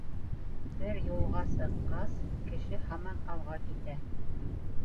Бер юлға сыҡҡас, кеше һаман алға китә.